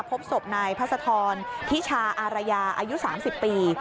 พบศพนายพระสาทรทิชาอารยาอายุสามสิบปี